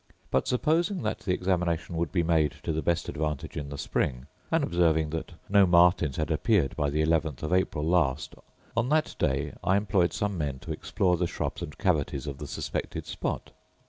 But supposing that the examination would be made to the best advantage in the spring, and observing that no martins had appeared by the 11th of April last, on that day I employed some men to explore the shrubs and cavities of the suspected spot.